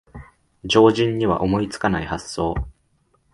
常人には思いつかない発想